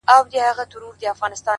پرمختګ د هڅو تسلسل غواړي؛